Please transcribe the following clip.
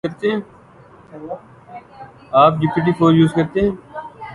بارے‘ اپنی بیکسی کی ہم نے پائی داد‘ یاں